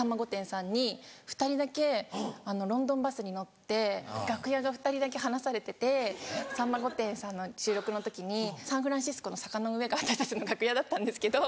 さんに２人だけロンドンバスに乗って楽屋が２人だけ離されてて『さんま御殿‼』さんの収録の時にサンフランシスコの坂の上が私たちの楽屋だったんですけど。